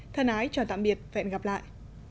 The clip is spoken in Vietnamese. thân ái chào tạm biệt và hẹn gặp lại